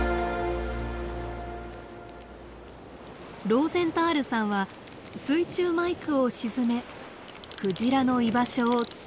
ローゼンタールさんは水中マイクを沈めクジラの居場所を突き止めます。